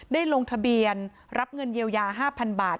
ลงทะเบียนรับเงินเยียวยา๕๐๐๐บาท